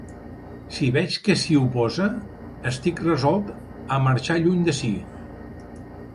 Si veig que s'hi oposa, estic resolt a marxar lluny d'ací.